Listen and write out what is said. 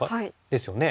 ですよね。